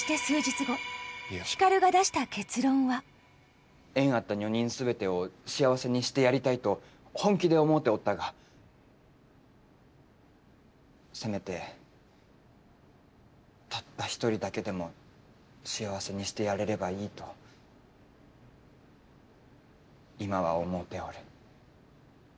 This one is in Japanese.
そして縁あった女人すべてを幸せにしてやりたいと本気で思うておったがせめてたった一人だけでも幸せにしてやれればいいと今は思うておる。